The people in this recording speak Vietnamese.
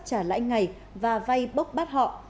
trả lãi ngày và vay bốc bắt họ